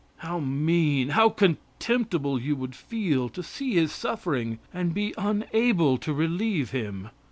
How mean, how contemptible you would feel to see his suffering and be unable to relieve him.